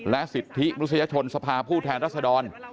และสิทธิมนุษยชนสภาผู้แทนรัศดร